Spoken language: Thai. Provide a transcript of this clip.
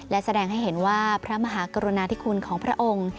และแสดงให้เห็นว่าพระมหากรุณาธิคุณของพระองค์